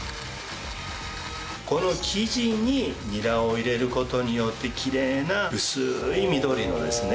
この生地にニラを入れる事によってきれいな薄い緑のですね